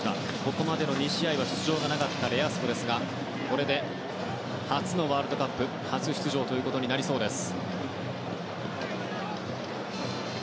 ここまで２試合出場がなかったレアスコですがこれで初のワールドカップ初出場となりそうです。